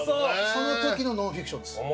その時のノンフィクションです。